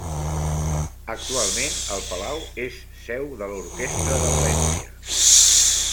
Actualment, el Palau és seu de l'orquestra de València.